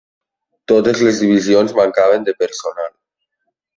Totes les divisions mancaven de personal.